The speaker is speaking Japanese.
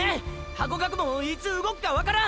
ハコガクもいつ動くか分からん。